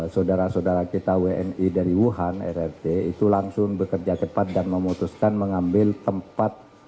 saudara saudara kita wni dari wuhan rrt itu langsung bekerja cepat dan memutuskan mengambil tempat